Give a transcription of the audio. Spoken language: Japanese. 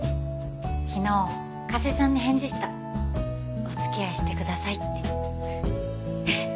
昨日加瀬さんに返事したおつきあいしてくださいってえっ！